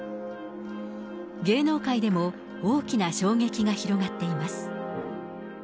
芸能界でも大きな衝撃が広がっています。